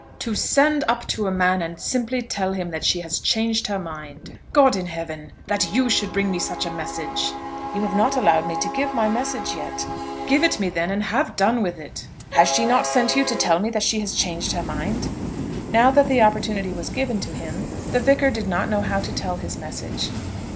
To send up to a man and simply tell him that she has changed her mind! God in heaven! that you should bring me such a message!" "You have not allowed me to give my message yet." "Give it me, then, and have done with it. Has she not sent you to tell me that she has changed her mind?" Now that opportunity was given to him, the Vicar did not know how to tell his message.